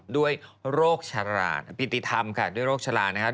ด้วยโรคฉลาดปิติธรรมค่ะด้วยโรคชะลานะครับ